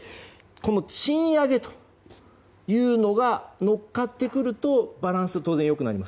賃上げというのが乗っかってくるとバランスは当然良くなります。